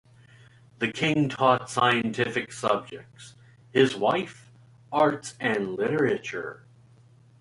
The King taught scientific subjects; his wife, arts and literature.